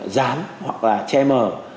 gián hoặc là che mờ